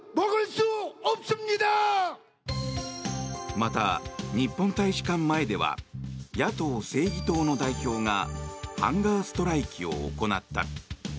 また、日本大使館前では野党・正義党の代表がハンガーストライキを行った。